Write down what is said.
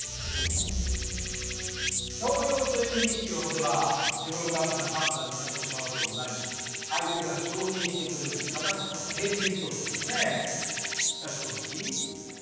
教養という意識を持てば自分勝手な判断になってしまうこともないし相手が承認してくれる「正しさ」を提示できそうですよね！